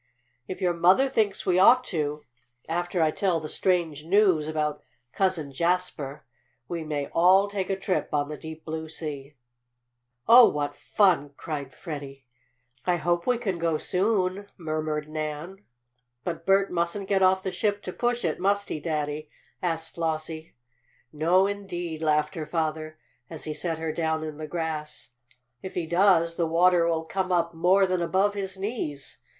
"If your mother thinks we ought to, after I tell the strange news about Cousin Jasper, we may all take a trip on the deep blue sea." "Oh, what fun!" cried Freddie. "I hope we can go soon," murmured Nan. "But Bert mustn't get off the ship to push it; must he, Daddy?" asked Flossie. "No, indeed!" laughed her father, as he set her down in the grass. "If he does the water will come up more than above his knees.